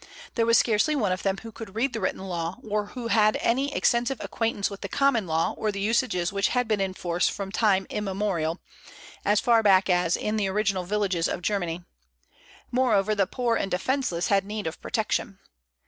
There was scarcely one of them who could read the written law, or who had any extensive acquaintance with the common law or the usages which had been in force from time immemorial, as far back as in the original villages of Germany. Moreover, the poor and defenceless had need of protection.